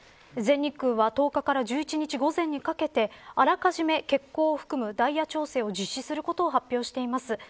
全日空は１０日から１１日午前にかけてあらかじめ、欠航を含むダイヤ調整を実施することを発表しています。